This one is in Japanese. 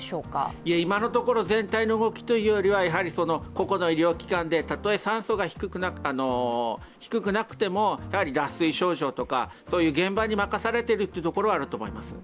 いえ、今のところ全体の動きというよりは個々の医療機関でたとえ酸素が低くなくても脱水症状とか、現場に任されているというところはあると思います。